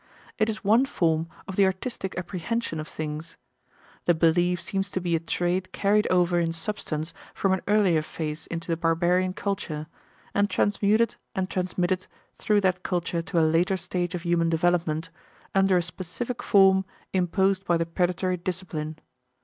It is one form of the artistic apprehension of things. The belief seems to be a trait carried over in substance from an earlier phase into the barbarian culture, and transmuted and transmitted through that culture to a later stage of human development under a specific form imposed by the predatory discipline.